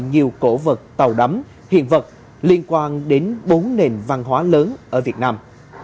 nhiều cổ vật tàu đắm hiện vật liên quan đến bốn nền văn hóa lớn ở việt nam